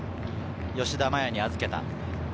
吉田麻也に預けた。